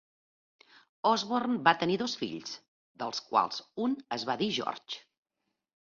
Osborne va tenir dos fills, dels quals un es va dir George.